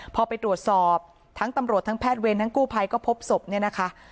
พอไปตรวจสอบทั้งตำรวจทั้งแพทย์เวรทั้งกู้ภัยก็พบศพเนี่ยนะคะ